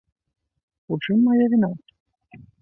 У чым мая віна?